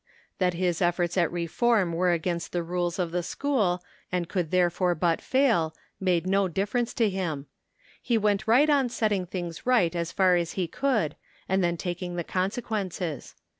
That his efforts at reform were against the rules of the school, and could therefore but fail, made no difference to him. He went right on setting things right as far as he could and then taking the consequences.